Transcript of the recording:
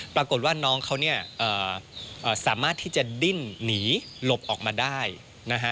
ปรากฏว่าน้องเขาเนี่ยสามารถที่จะดิ้นหนีหลบออกมาได้นะฮะ